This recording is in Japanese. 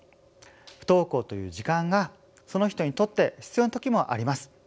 不登校という時間がその人にとって必要な時もあります。